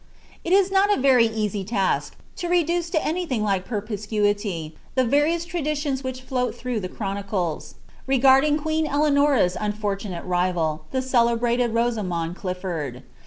li ia not a very easy task to reduce to anything like perspieuily the nrioua traditions which float through the chronicles, regarding (|ueen Elminra's unfortunate rival, the celebrated Roaamond Clifi<ir<I.